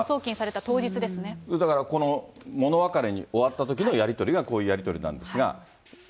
だからこの、もの別れに終わったときのやり取りがこういうやり取りなんですが。